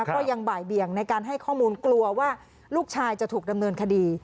ก็ยังบ่ายเบี่ยงในการให้ข้อมูลกลัวว่าลูกชายจะถูกดำเนินคดี